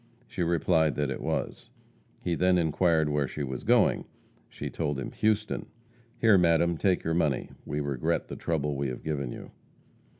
She replied that it was. He then inquired where she was going. She told him to Houston. "Here, madam, take your money. We regret the trouble we have given you."